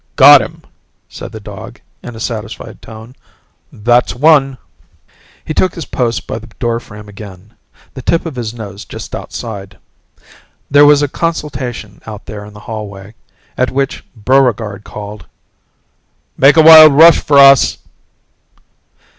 "Got him," said the dog in a satisfied tone. "That's one!" He took his post by the doorframe again, the tip of his nose just outside. There was a consultation out there in the hallway, at which Buregarde called, "Make a wild rush for us!"